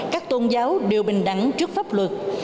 các tôn giáo đều bình đẳng trước pháp luật